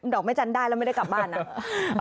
อกไม่จันทร์ได้แล้วไม่ได้กลับบ้านนะ